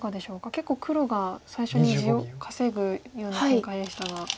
結構黒が最初に地を稼ぐような展開でしたが。